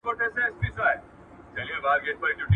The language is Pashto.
اوښ تې ول بازۍ وکه، ده جوړنگان د بېخه وکښه.